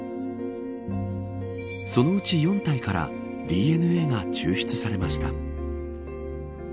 そのうち４体からＤＮＡが抽出されました。